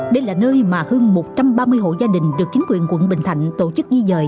đây là nơi mà hơn một trăm ba mươi hộ gia đình được chính quyền quận bình thạnh tổ chức di dời